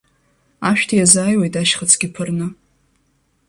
Ашәҭ иазааиуеит ашьхыцгьы ԥырны.